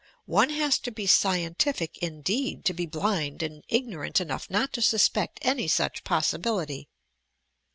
One has to be 'scientific' indeed to be blind and ignorant enough not to suspect any such possibility."